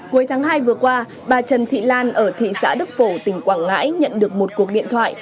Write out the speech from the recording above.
cuối tháng hai vừa qua bà trần thị lan ở thị xã đức phổ tỉnh quảng ngãi nhận được một cuộc điện thoại